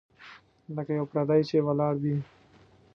لکه یو پردی چي ولاړ وي .